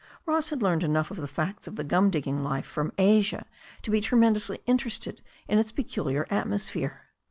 Ross had learned enough of the facts of the gum digging life from Asia to be tremendously interested in its peculiar atmosphere.